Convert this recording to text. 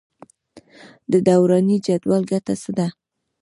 د دوراني جدول ګټه څه ده.